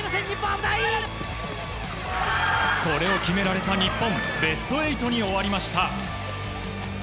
これを決められた日本ベスト８に終わりました。